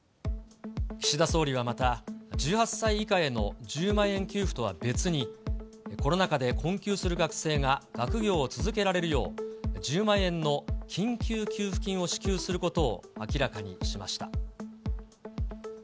岸田総理はまた、１８歳以下への１０万円給付とは別に、コロナ禍で困窮する学生が学業を続けられるよう、１０万円の緊急給付金を支給することを明らかにしました。